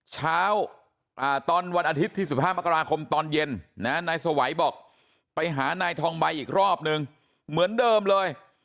ตอนวันอาทิตย์ที่๑๕มกราคมตอนเย็นนายสวัยบอกไปหานายทองใบอีกรอบนึงเหมือนเดิมเลย